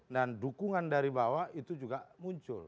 dan dukungan dari bawah itu juga muncul